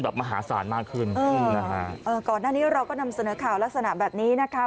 มหาศาลมากขึ้นอืมนะฮะเออก่อนหน้านี้เราก็นำเสนอข่าวลักษณะแบบนี้นะคะ